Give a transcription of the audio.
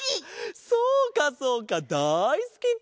そうかそうかだいすきか！